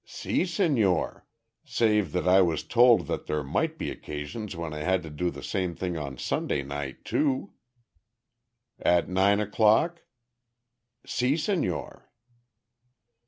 "Si, señor. Save that I was told that there might be occasions when I had to do the same thing on Sunday night, too." "At nine o'clock?" "_Si, señor.